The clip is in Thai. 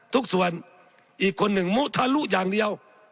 ทุกส่วนอีกคนหนึ่งมุทะลุอย่างเดียว